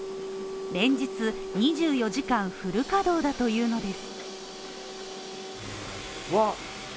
連日、２４時間フル稼働だというのです。